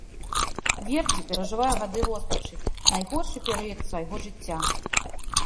Вердзі перажывае гады роспачы, найгоршы перыяд свайго жыцця.